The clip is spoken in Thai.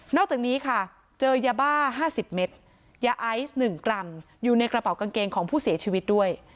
อกจากนี้ค่ะเจอยาบ้า๕๐เมตรยาไอซ์๑กรัมอยู่ในกระเป๋ากางเกงของผู้เสียชีวิตด้วย